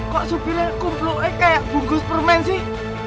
kok supirnya kumploknya kayak bungkus permen sih